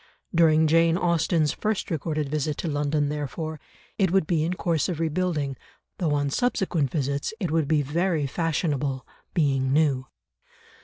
During Jane Austen's first recorded visit to London, therefore, it would be in course of rebuilding, though on subsequent visits it would be very fashionable, being new.